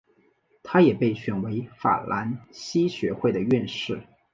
他也被选为法兰西学会的院士。